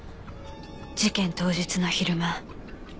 事件当日の昼間。